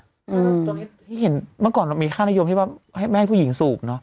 ตรงนี้ที่เห็นเมื่อก่อนเรามีค่านิยมที่ว่าไม่ให้ผู้หญิงสูบเนอะ